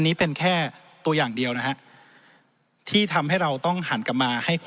ได้เสียชีวิตที่๋วงลำบาก